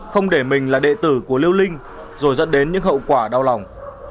không để mình là đệ tử của liêu linh rồi dẫn đến những hậu quả đau lòng